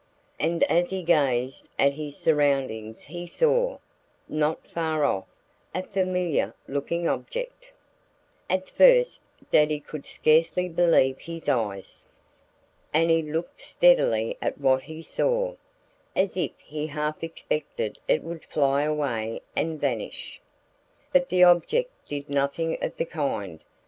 And as he gazed at his surroundings he saw not far off a familiar looking object. At first Daddy could scarcely believe his eyes. And he looked steadily at what he saw, as if he half expected it would fly away and vanish. But the object did nothing of the kind.